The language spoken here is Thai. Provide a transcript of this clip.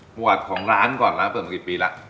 หวัติของร้านก่อนร้านเปิดมากี่ปีแล้ว